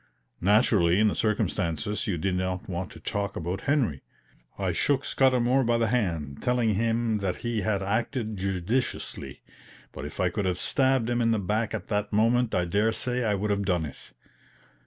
Naturally in the circumstances you did not want to talk about Henry." I shook Scudamour by the hand, telling him that he had acted judiciously; but if I could have stabbed him in the back at that moment I dare say I would have done it.